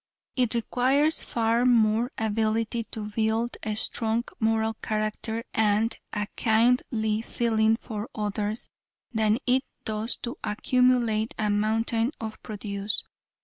It requires far more ability to build a strong moral character and a kindly feeling for others, than it does to accumulate a mountain of produce.